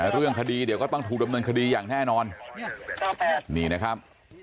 เรื่องคดีเดี๋ยวก็ต้องถูกดำเนินคดีอย่างแน่นอนนี่นะครับ